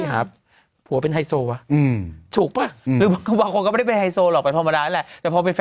ไม่อยากเป็นฮัยโซหรอกอยากขอเป็นคนดีของสังคมก็พอ